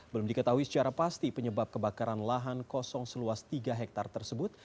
belum diketahui secara pasti penyebab kebakaran lahan kosong seluas tiga hektare tersebut